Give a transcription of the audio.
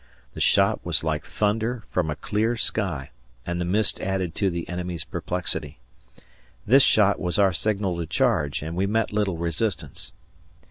The shot was like thunder from a clear sky, and the mist added to the enemy's perplexity. This shot was our signal to charge, and we met little resistance.